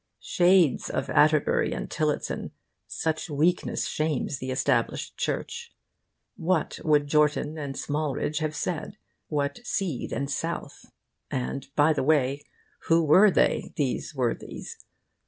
Shades of Atterbury and Tillotson! Such weakness shames the Established Church. What would Jortin and Smalridge have said? what Seed and South? And, by the way, who were they, these worthies?